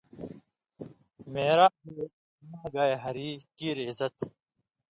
معراجے اماں گائے ہری کیر عزت